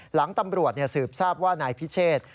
หลังตำรวจสืบทราบว่านายพิเชษ